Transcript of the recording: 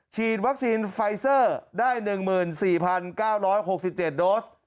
ฉีดวัคซีนไฟเซอร์ได้๑๔๙๖๗โดส